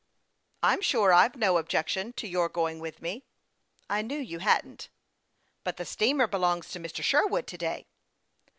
" I'm sure I've no objection to your going with me." " I knew you hadn't." " But the steamer belongs to Mr. Sherwood to day."